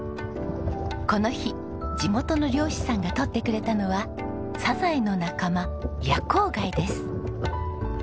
この日地元の漁師さんが取ってくれたのはサザエの仲間ヤコウガイです。